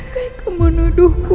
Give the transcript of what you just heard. kaya kau menuduhku